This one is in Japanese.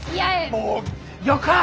もうよか！